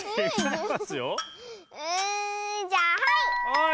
うんじゃあはい！